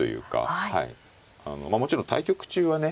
もちろん対局中はね